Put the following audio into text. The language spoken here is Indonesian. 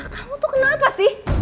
kamu tuh kenapa sih